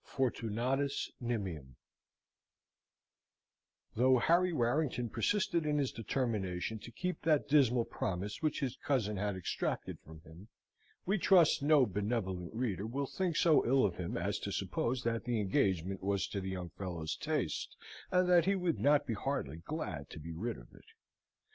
Fortunatus Nimium Though Harry Warrington persisted in his determination to keep that dismal promise which his cousin had extracted from him, we trust no benevolent reader will think so ill of him as to suppose that the engagement was to the young fellow's taste, and that he would not be heartily glad to be rid of it.